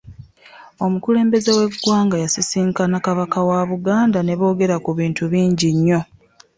Omukulembeze we ggwanga yasisinkana Kabaka wa Buganda nebogera ku bintu bingi nnyo.